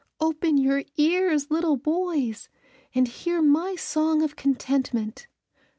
Open your ears, little boys, and hear my song of contentment."